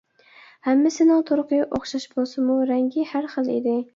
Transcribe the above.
ھەممىسىنىڭ تۇرقى ئوخشاش بولسىمۇ رەڭگى ھەر خىل ئىدى.